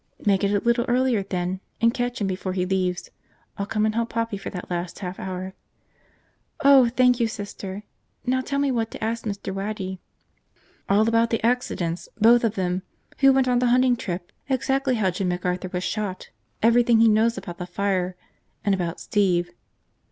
"Make it a little earlier, then, and catch him before he leaves. I'll come and help Poppy for that last half hour." "Oh, thank you, Sister! Now tell me what to ask Mr. Waddy." "All about the accidents, both of them. Who went on the hunting trip, exactly how Jim McArthur was shot, everything he knows about the fire. And about Steve."